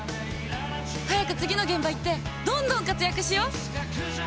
早く次の現場行ってどんどん活躍しよう！